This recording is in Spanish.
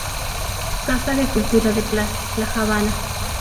Casa de Cultura de Plaza, La Habana.